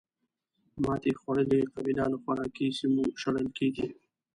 ماتې خوړلې قبیله له خوراکي سیمو شړل کېږي.